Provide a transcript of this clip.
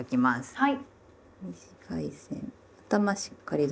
はい。